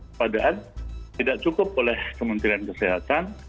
kepadaan tidak cukup oleh kementerian kesehatan